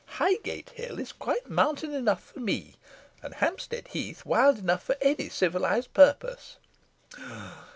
Highgate Hill is quite mountain enough for me, and Hampstead Heath wild enough for any civilised purpose."